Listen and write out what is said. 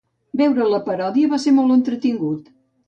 Veure la parodia va ser molt entretingut.